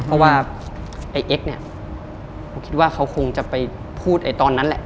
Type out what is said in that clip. เพราะว่าไอ้เอ็กซ์เนี่ยผมคิดว่าเขาคงจะไปพูดตอนนั้นแหละ